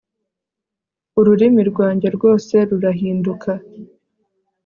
ururimi rwanjye rwose rurahinduka